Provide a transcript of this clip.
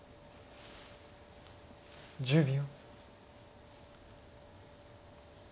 １０秒。